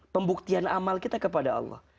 pembuktian amal kita kepada allah